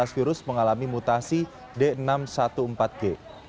dua belas virus mengalami mutasi d enam ratus empat belas g